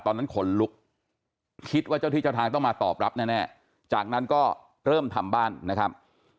ตอนนั้นขนลุกคิดว่าเจ้าที่เจ้าทางต้องมาตอบรับแน่จากนั้นก็เริ่มทำบ้านนะครับ